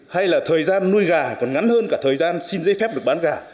hay là thời gian nuôi gà còn ngắn hơn cả thời gian xin giấy phép được bán gà